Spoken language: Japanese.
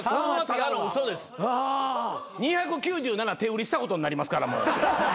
２９７手売りしたことになりますから。